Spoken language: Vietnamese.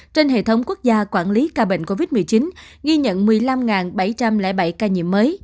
trên hệ thống quốc gia quản lý ca bệnh covid một mươi chín ghi nhận một mươi năm bảy trăm linh bảy ca nhiễm mới